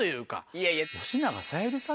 いやいや。